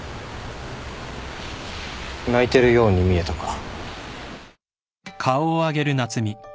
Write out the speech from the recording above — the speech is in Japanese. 泣いてるように見えたから。